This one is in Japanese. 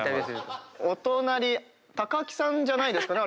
お隣木さんじゃないですかね？